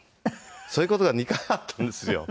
そういう事が２回あったんですよ。